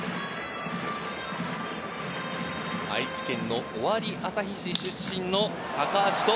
愛知県の尾張旭市出身の高橋と。